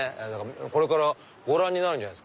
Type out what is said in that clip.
これからご覧になるんじゃない？